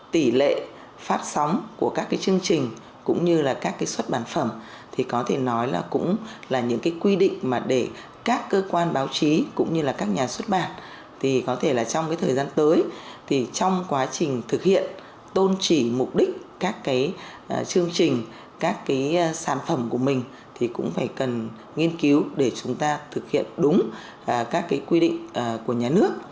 trong quá trình thực hiện tôn trì mục đích các cái chương trình các cái sản phẩm của mình thì cũng phải cần nghiên cứu để chúng ta thực hiện đúng các cái quy định của nhà nước